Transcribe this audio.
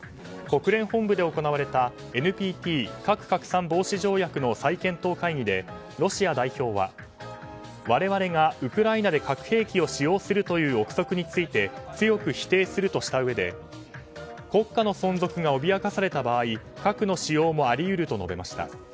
国連本部で行われたＮＰＴ・核拡散防止条約の再検討会議でロシア代表は我々がウクライナで核兵器を使用するという憶測について強く否定するとしたうえで国家の存続が脅かされた場合核の使用もあり得ると述べました。